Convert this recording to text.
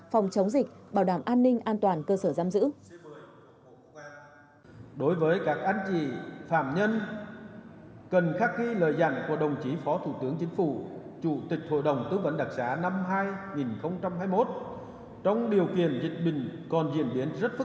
phòng chống dịch bảo đảm an ninh an toàn cơ sở giam giữ